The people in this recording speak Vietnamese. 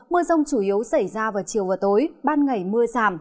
mưa rông chủ yếu xảy ra vào chiều và tối ban ngày mưa giảm